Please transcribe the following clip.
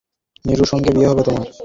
নীলুর সঙ্গে বিয়ে হবে তোমার।